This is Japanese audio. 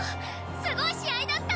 すごい試合だった。